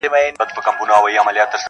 انسان وجدان سره مخ کيږي تل,